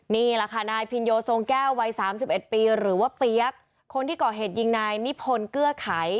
นี่แหละค่ะนายพินโยทรงแก้ววัย๓๑ปีหรือว่าเปี๊ยกคนที่ก่อเหตุยิงนายนิพนธ์เกื้อไข